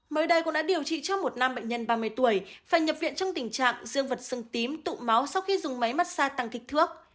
mới đây cũng đã điều trị cho một nam bệnh nhân ba mươi tuổi phải nhập viện trong tình trạng dương vật xương tím tụ máu sau khi dùng máy mắt xa tăng kích thước